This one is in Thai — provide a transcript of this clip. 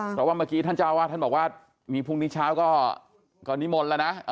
เพราะว่าเมื่อกี้ท่านเจ้าวาดท่านบอกว่ามีพรุ่งนี้เช้าก็นิมนต์แล้วนะ